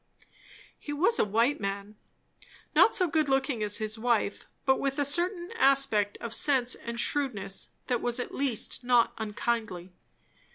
He was a white man; not so good looking as his wife, but with a certain aspect of sense and shrewdness that was at least not unkindly.